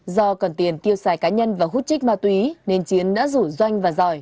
do cần tiền tiêu xài cá nhân và hút trích ma túy nên chiến đã rủ doanh và giỏi